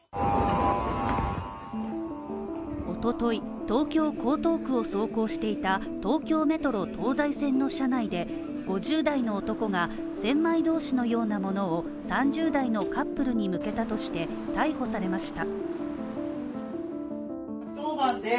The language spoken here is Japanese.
一昨日、東京江東区を走行していた東京メトロ東西線の車内で５０代の男が千枚通しのようなものを３０代のカップルに向けたとして逮捕されました。